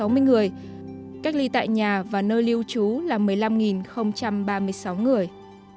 tổng số người tiếp xúc gần và nhập cảnh từ vùng dịch đang được theo dõi sức khỏe là một mươi năm ba mươi sáu người